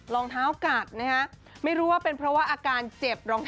รองเท้ากัดไม่รู้ว่าเป็นเพราะอาการเจ็บ